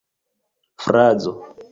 frazo